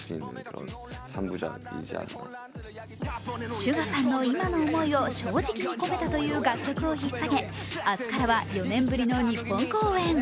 ＳＵＧＡさんの今の思いを正直に込めたという楽曲を引っさげ明日からは４年ぶりの日本公演。